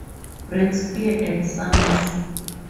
Brakspear and Sons.